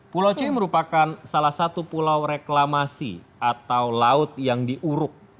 pulau c merupakan salah satu pulau reklamasi atau laut yang diuruk